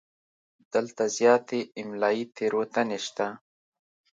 دلته زیاتې املایي تېروتنې شته.